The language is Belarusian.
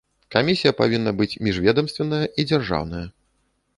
Камісія павінна быць міжведамственная і дзяржаўная.